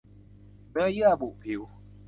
เนื้อเยื่อบุผิว